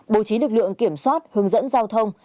bố trí lực lượng kiểm soát hướng dẫn giao thông